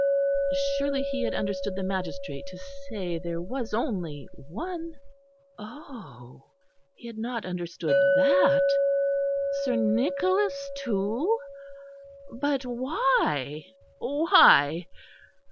Surely he had understood the magistrate to say there was only one? Oh! he had not understood that. Sir Nicholas too? But why, why?